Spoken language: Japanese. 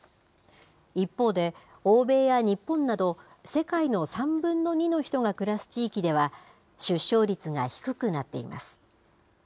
一方で、欧米や日本など世界の３分の２の人が暮らす地域では、出生率が低くなっています。